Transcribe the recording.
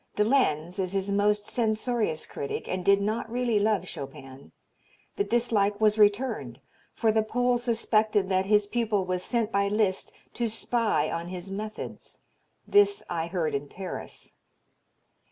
De Lenz is his most censorious critic and did not really love Chopin. The dislike was returned, for the Pole suspected that his pupil was sent by Liszt to spy on his methods. This I heard in Paris.